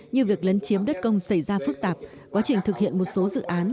như việc lấn chiếm đất công xảy ra phức tạp quá trình thực hiện một số dự án